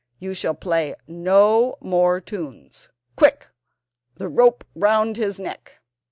You shall play no more tunes. Quick! the rope round his neck."